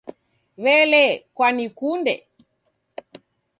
W'elee kwanikunde?